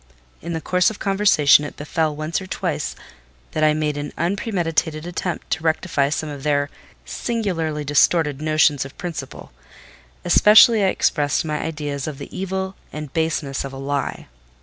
In the course of conversation it befel once or twice that I made an unpremeditated attempt to rectify some of their singularly distorted notions of principle; especially I expressed my ideas of the evil and baseness of a lie.